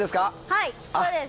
はい、そうです。